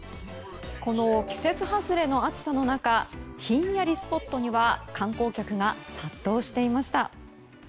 この季節外れの暑さの中ひんやりスポットには観光客が殺到していました。